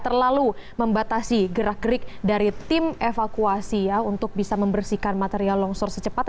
terlalu membatasi gerak gerik dari tim evakuasi ya untuk bisa membersihkan material longsor secepat